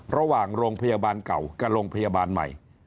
ระหว่างโรงพยาบาลเก่ากับโรงพยาบาลใหม่